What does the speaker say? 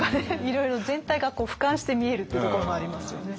いろいろ全体がふかんして見えるってところもありますよね。